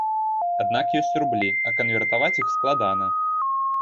Аднак ёсць рублі, а канвертаваць іх складана.